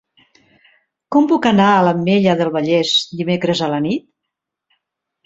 Com puc anar a l'Ametlla del Vallès dimecres a la nit?